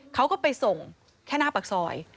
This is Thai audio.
เขาก็ไปส่งแค่หน้าปากซอย